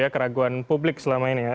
keraguan publik selama ini ya